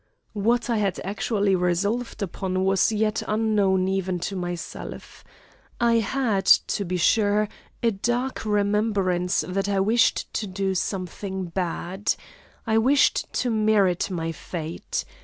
"What I had actually resolved upon was yet unknown even to myself. I had to be sure a dark remembrance that I wished to do something bad. I wished to merit my fate.